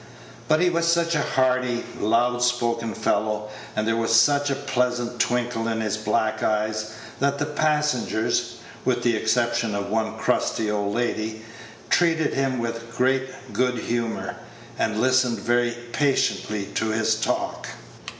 But he was such a hearty, loud spoken fellow, and there was such a pleasant twinkle in his black eyes, that the passengers (with the exception of one crusty old lady) treated him with great good humor, and listened very patiently to his talk.